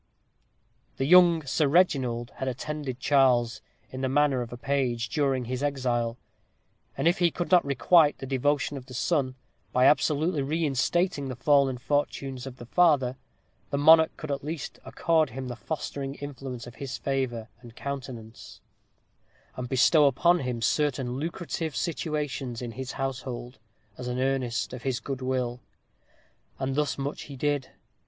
The young Sir Reginald had attended Charles, in the character of page, during his exile; and if he could not requite the devotion of the son, by absolutely reinstating the fallen fortunes of the father, the monarch could at least accord him the fostering influence of his favor and countenance; and bestow upon him certain lucrative situations in his household, as an earnest of his good will. And thus much he did.